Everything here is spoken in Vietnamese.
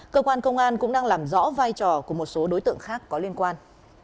cơ quan công an cũng đang làm rõ vai trò của một số đối tượng khác có liên quan